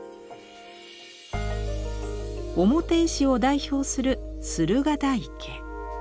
「表絵師」を代表する「駿河台家」。